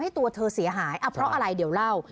ตัวเธอเสียหายเพราะอะไรเดี๋ยวเล่า